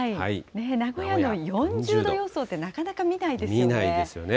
名古屋の４０度予想ってなかなか見ないですよね。